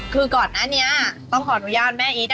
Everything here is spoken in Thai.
คือก่อนหน้านี้ต้องขออนุญาตแม่อีท